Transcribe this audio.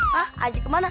hah ajak ke mana